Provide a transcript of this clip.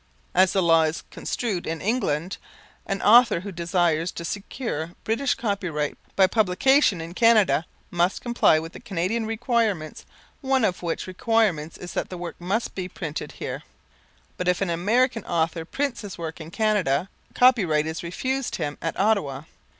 As the law is construed in England, an author who desires to secure British copyright by publication in Canada must comply with the Canadian requirements, one of which requirements is that the work must be printed here. But if an American author prints his work in Canada, copyright is refused him at Ottawa.